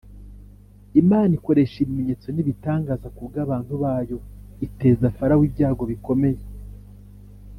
Imana ikoresha ibimenyetso n’ibitangaza kubw’abantu bayo, iteza Farawo ibyago bikomeye